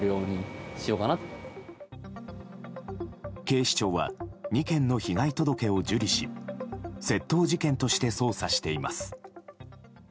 警視庁は２件の被害届を受理し窃盗事件として捜査しています。